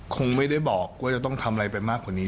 คงไม่ได้บอกว่าจะต้องทำอะไรไปมากกว่านี้